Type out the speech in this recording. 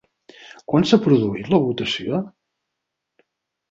Quan s'ha produït la votació?